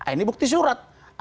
ini bukti surat